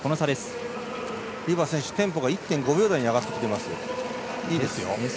リバー選手テンポが１．５秒台に上がってきています。